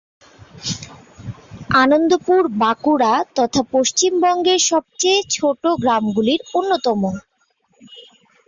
আনন্দপুর বাঁকুড়া তথা পশ্চিমবঙ্গের সবচেয়ে ছোটো গ্রামগুলির অন্যতম।